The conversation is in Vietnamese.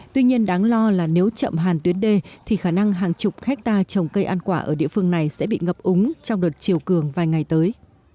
tuy nhiên đáng lo là nếu chậm hàn tuyến đê thì khả năng hàng chục hectare trồng cây ăn quả ở địa phương này sẽ bị ngập úng trong đợt chiều cường vài ngày tới